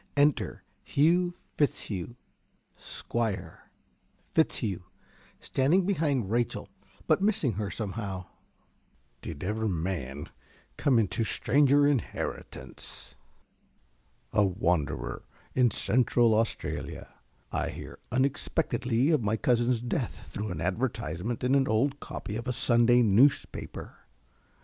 _) Enter Hugh Fitzhugh, Squire. ~Fitzhugh~ (standing behind Rachel, but missing her somehow). Did ever man come into stranger inheritance? A wanderer in Central Australia, I hear unexpectedly of my cousin's death through an advertisement in an old copy of a Sunday newspaper.